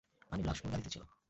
আনির লাশ ওর গাড়িতেই ছিল।